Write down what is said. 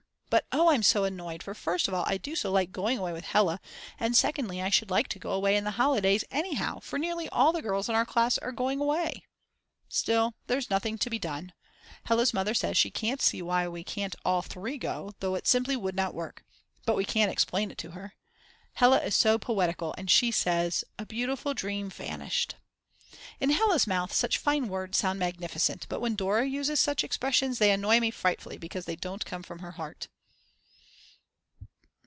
But oh I'm so annoyed for first of all I do so like going away with Hella and secondly I should like to go away in the holidays anyhow for nearly all the girls in our class are going away. Still, there's nothing to be done. Hella's mother says she can't see why we can't all 3 go though it simply would not work. But we can't explain it to her. Hella is so poetical and she says "A beautiful dream vanished." In Hella's mouth such fine words sound magnificent, but when Dora uses such expressions they annoy me frightfully because they don't come from her heart.